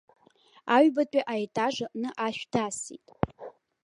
Аҩбатәи аетаж аҟны ашә дасит.